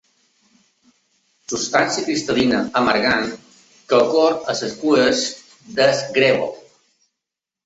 Substància cristal·lina amargant que ocorre en les fulles del grèvol.